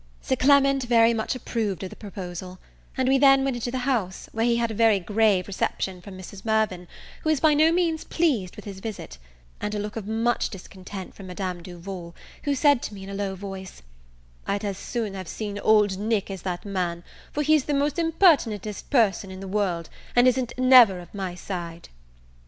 Sir Clement very much approved of the proposal; and we then went into the house, where he had a very grave reception from Mrs. Mirvan, who is by no means pleased with his visit, and a look of much discontent from Madame Duval, who said to me in a low voice, "I'd as soon have seen Old Nick as that man, for he's the most impertinentest person in the world, and isn't never of my side."